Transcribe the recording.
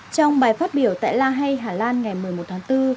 trong bài phát biểu tại la hay hà lan ngày một mươi một tháng bốn